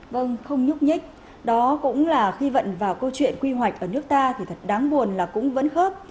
vâng không nhúc nhích đó cũng là khi vận vào câu chuyện quy hoạch ở nước ta thì thật đáng buồn là cũng vẫn khớp